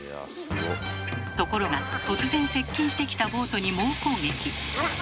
ところが突然接近してきたボートに猛攻撃。